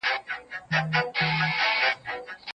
موږ باید د کورنیو اړیکو ته پام وکړو.